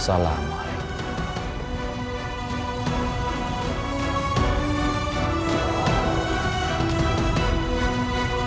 assalamualaikum sett prayers